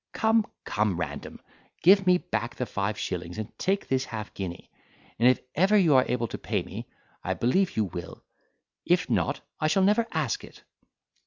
Come, come, Random, give me back the five shillings, and take this half guinea, and if ever you are able to pay me, I believe you will: if not, I shall never ask it."